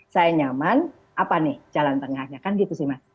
saya nyaman apa nih jalan tengahnya kan gitu sih mas